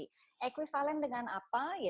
ini adalah ekvivalen dengan apa